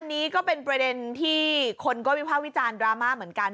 อันนี้ก็เป็นประเด็นที่คนก็วิภาควิจารณ์ดราม่าเหมือนกัน